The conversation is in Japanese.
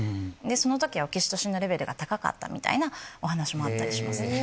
その時はオキシトシンのレベルが高かったみたいなお話もあったりしますね。